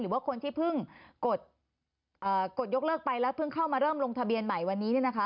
หรือว่าคนที่เพิ่งกดยกเลิกไปแล้วเพิ่งเข้ามาเริ่มลงทะเบียนใหม่วันนี้